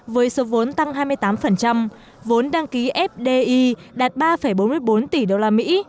với số vốn tăng hai mươi tám vốn đăng ký fdi đạt ba bốn mươi bốn tỷ usd